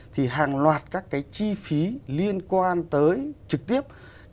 thì hàng loạt các cái chi phí liên quan tới trực tiếp